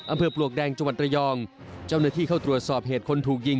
ปลวกแดงจังหวัดระยองเจ้าหน้าที่เข้าตรวจสอบเหตุคนถูกยิง